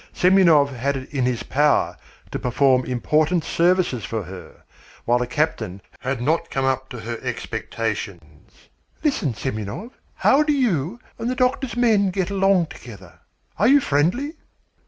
Semyonov had it in his power to perform important services for her, while the captain had not come up to her expectations. "Listen, Semyonov, how do you and the doctor's men get along together? Are you friendly?"